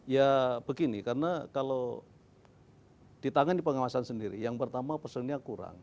ya begini karena kalau ditangani pengawasan sendiri yang pertama personilnya kurang